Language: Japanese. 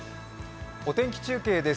お天気中継です。